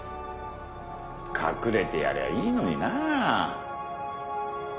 隠れてやりゃいいのになぁ。